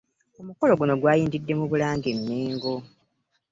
Omukolo guno gwayindidde mu Bulange e Mmengo